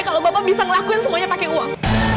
kalau bapak bisa ngelakuin semuanya pakai uang